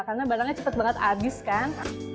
karena barangnya cepet banget abis kan